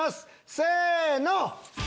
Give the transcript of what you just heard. せの！